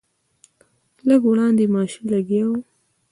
لږ وړاندې ماشین لګیا و.